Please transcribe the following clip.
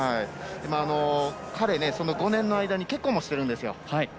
彼、５年の間に結婚もしてるんですよ。